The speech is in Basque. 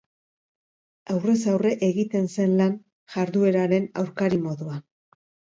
Aurrez-aurre egiten zen lan jardueraren aurkari moduan.